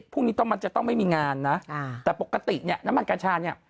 พรุ่งนี้ต้องมันจะต้องไม่มีงานนะแต่ปกติเนี่ยน้ำมันกัญชาเนี่ย